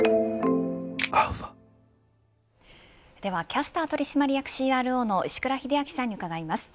キャスター取締役ＣＲＯの石倉秀明さんに伺います。